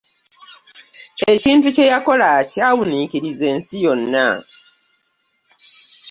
Ekintu kyeyakola ky'awuniikiriza ensi yonna.